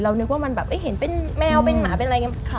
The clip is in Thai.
นึกว่ามันแบบเห็นเป็นแมวเป็นหมาเป็นอะไรอย่างนี้